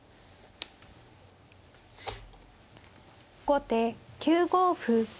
後手９五歩。